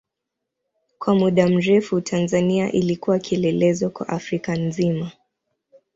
Kwa muda mrefu Tanzania ilikuwa kielelezo kwa Afrika nzima.